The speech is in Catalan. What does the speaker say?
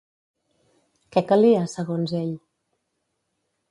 Què calia, segons ell?